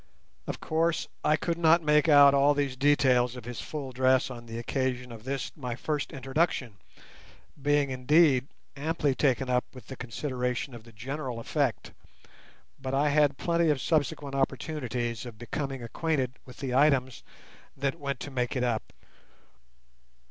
Of course I could not make out all these details of his full dress on the occasion of this my first introduction, being, indeed, amply taken up with the consideration of the general effect, but I had plenty of subsequent opportunities of becoming acquainted with the items that went to make it up.